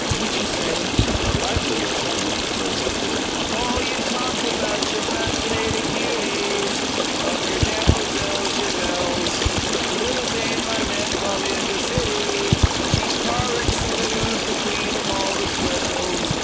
"Didn't you say " A livelier tune rose upward. "Oh, you talk about your fascinating beauties, Of your dem O zells, your belles, But the littil dame I met, while in the city, She's par excellaws the queen of all the swells.